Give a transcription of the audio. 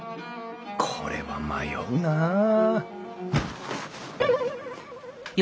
これは迷うなあ